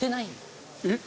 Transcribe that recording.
えっ。